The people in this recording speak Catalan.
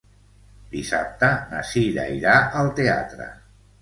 Dissabte na Cira irà al teatre.